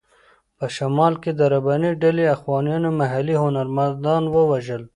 په شمال کې د رباني ډلې اخوانیانو محلي هنرمندان ووژل.